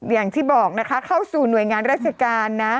อย่างที่บอกนะคะเข้าสู่หน่วยงานราชการนะ